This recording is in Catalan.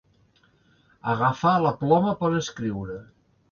Agafar la ploma per escriure.